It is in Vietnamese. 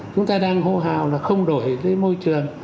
chúng ta đang hô hào là không đổi cái môi trường